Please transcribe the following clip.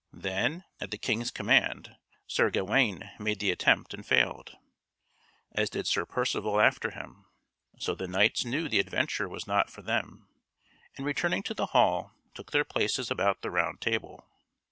Then, at the King's command, Sir Gawain made the attempt and failed, as did Sir Percivale after him. So the knights knew the adventure was not for them, and returning to the hall, took their places about the Round Table.